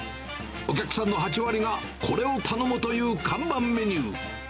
お客さんの８割がこれを頼むという看板メニュー。